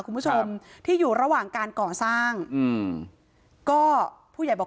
คุณผู้ชมที่อยู่ระหว่างการก่อสร้างอืมก็ผู้ใหญ่บอก